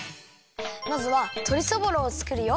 まずはとりそぼろをつくるよ。